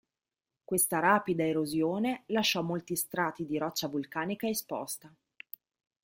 Questa rapida erosione lasciò molti strati di roccia vulcanica esposta.